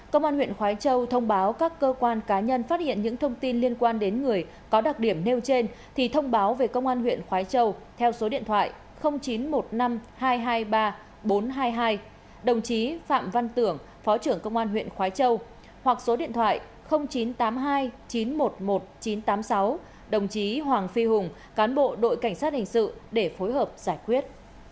công an huyện khói châu thông báo các cơ quan cá nhân phát hiện những thông tin liên quan đến người có đặc điểm nêu trên thì thông báo về công an huyện khói châu theo số điện thoại chín trăm một mươi năm hai trăm hai mươi ba bốn trăm hai mươi hai đồng chí phạm văn tưởng phó trưởng công an huyện khói châu hoặc số điện thoại chín trăm tám mươi hai chín trăm một mươi một chín trăm tám mươi sáu đồng chí hoàng phi hùng cán bộ đội cảnh sát hình sự để phối hợp giải quyết